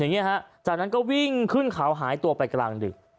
อย่างนี้ฮะจากนั้นก็วิ่งขึ้นเขาหายตัวไปกลางดึก